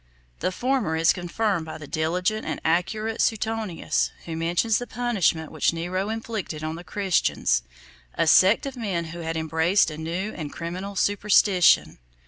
The former is confirmed by the diligent and accurate Suetonius, who mentions the punishment which Nero inflicted on the Christians, a sect of men who had embraced a new and criminal superstition.